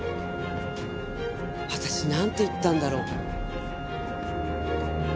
私なんて言ったんだろう？